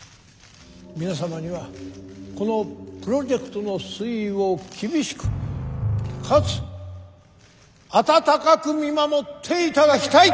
皆様にはこのプロジェクトの推移を厳しくかつ温かく見守っていただきたい。